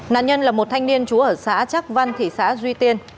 nạn nhân là một thanh niên chú ở xã trác văn thị xã duy tiên